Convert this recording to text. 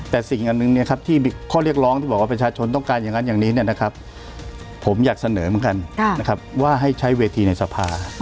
แต่สิ่งอันหนึ่งที่ข้อเรียกร้องที่บอกว่าประชาชนต้องการอย่างนั้นอย่างนี้ผมอยากเสนอเหมือนกันนะครับว่าให้ใช้เวทีในสภา